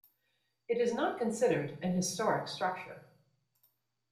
It is not considered an historic structure.